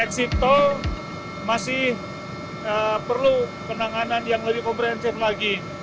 eksito masih perlu penanganan yang lebih komprehensif lagi